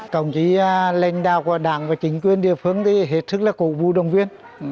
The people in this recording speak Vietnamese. công chí lãnh đạo của đảng và chính quyền địa phương thì hết sức là cụ vô đồng viên